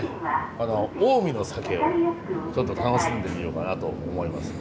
この近江の酒をちょっと楽しんでみようかなと思います。